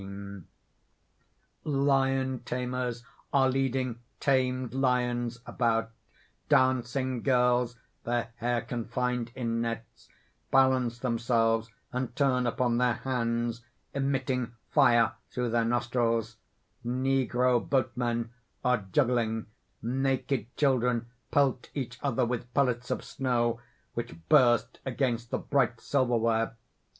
_ _Lion tamers are leading tamed lions about. Dancing girls their hair confined in nets balance themselves and turn upon their hands, emitting fire through their nostrils; negro boatmen are juggling; naked children pelt each other with pellets of snow, which burst against the bright silverware.